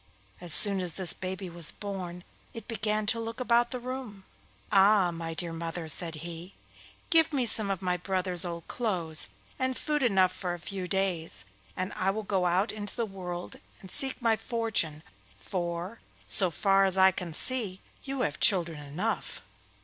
As soon as this baby was born it began to look about the room. 'Ah, my dear mother!' said he, 'give me some of my brothers' old clothes, and food enough for a few days, and I will go out into the world and seek my fortune, for, so far as I can see, you have children enough.